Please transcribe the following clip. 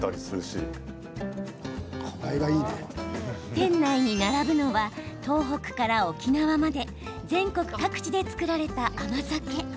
店内に並ぶのは東北から沖縄まで全国各地で造られた甘酒。